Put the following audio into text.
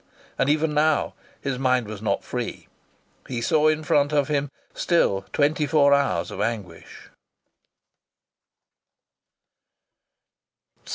And even now his mind was not free. He saw in front of him still twenty four hours of anguish.